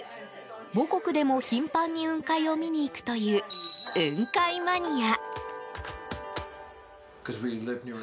母国でも頻繁に、雲海を見に行くという雲海マニア。